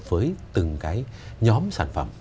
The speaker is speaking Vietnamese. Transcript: với từng cái nhóm sản phẩm